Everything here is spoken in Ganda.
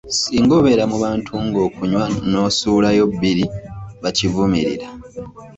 Singa obeera mu bantu ng'okunywa n'osulayo bbiri bakivumirira.